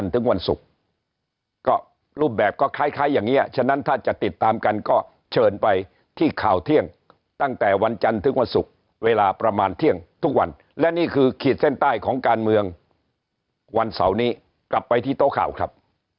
ตั้งแต่วันจันทึกวันศุกร์เวลาประมาณเที่ยงทุกวันและนี่คือขีดเส้นใต้ของการเมืองวันเสาร์นี้กลับไปที่โต๊ะข่าวครับ